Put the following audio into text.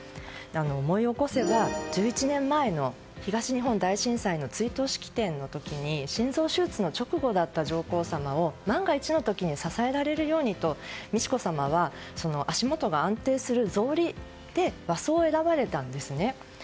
思い起こせば１１年前の東日本大震災の追悼式典の時に心臓手術の直後だった上皇さまを万が一の時に支えられるようにと美智子さまは足もとが安定する草履で和装を選ばれたんですね。